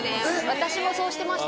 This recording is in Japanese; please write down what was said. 私もそうしてました。